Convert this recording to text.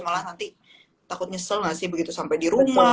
malah nanti takut nyesel gak sih begitu sampai di rumah